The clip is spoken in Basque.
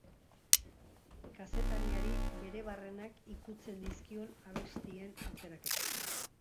Kazetariari bere barrenak ikutzen dizkion abestien aukeraketa.